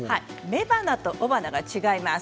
雌花と雄花が違います。